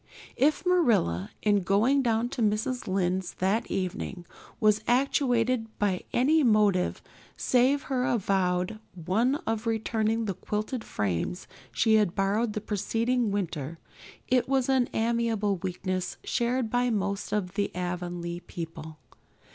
If Marilla, in going down to Mrs. Lynde's that evening, was actuated by any motive save her avowed one of returning the quilting frames she had borrowed the preceding winter, it was an amiable weakness shared by most of the Avonlea people.